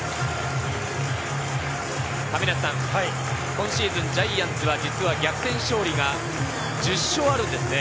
今シーズン、ジャイアンツは逆転勝利が１０勝あるんです。